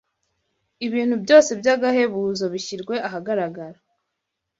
ibintu byose by’agahebuzo bishyirwe ahagaragara